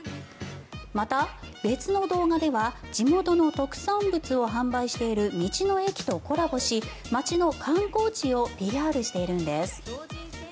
また、別の動画では地元の特産物を販売している道の駅とコラボし町の観光地をＰＲしているんです。